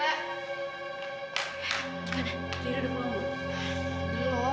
riri udah pulang belum